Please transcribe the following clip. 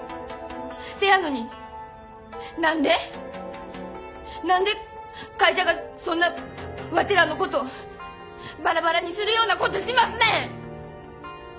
せやのに何で何で会社がそんなワテらのことバラバラにするようなことしますねん！